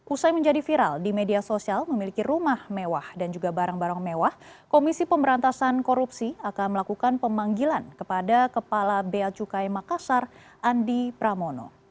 usai menjadi viral di media sosial memiliki rumah mewah dan juga barang barang mewah komisi pemberantasan korupsi akan melakukan pemanggilan kepada kepala beacukai makassar andi pramono